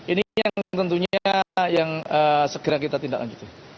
ini yang tentunya yang segera kita tindakkan